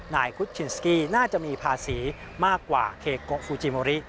คุชชินสกี้น่าจะมีภาษีมากกว่าเคโกฟูจิโมริ